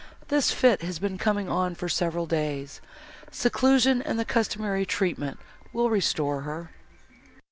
This fit has been coming on, for several days; seclusion and the customary treatment will restore her."